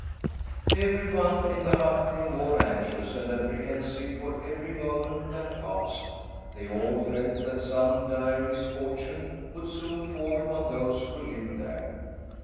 Every one in the hut grew more anxious and apprehensive for every moment that passed. They all felt that some dire misfortune would soon fall upon those who lived there.